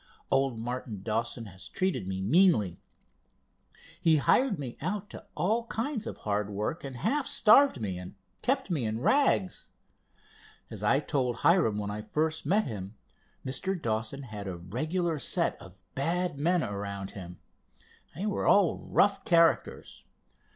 Old Martin Dawson has treated me meanly. He hired me out to all kinds of hard work, and half starved me, and kept me in rags. As I told Hiram when I first met him, Mr. Dawson had a regular set of bad men around him. They were all rough characters.